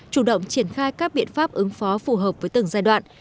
chủ động triển khai các biện pháp ứng phó phù hợp với từng giai đoạn